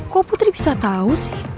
kok putri bisa tahu sih